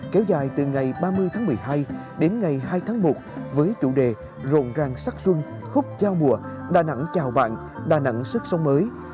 kéo dài từ ngày ba mươi tháng một mươi hai đến ngày hai tháng một với chủ đề rộn ràng sắc xuân khúc giao mùa đà nẵng chào bạn đà nẵng sức sông mới